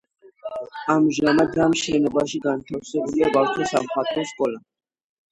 ამჟამად ამ შენობაში განთავსებულია ბავშვთა სამხატვრო სკოლა.